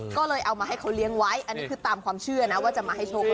ก็เลยเอามาให้เขาเลี้ยงไว้อันนี้คือตามความเชื่อนะว่าจะมาให้โชค